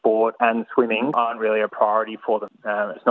sport dan menangis bukan benar benar prioritas mereka